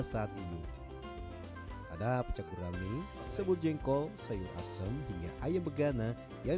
saat ini ada pecah gurame sebut jengkol sayur asem hingga ayam begana yang